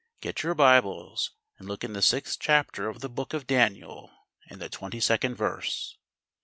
Get your Bibles, and look in the sixth chapter of the book of Daniel and the twenty second verse.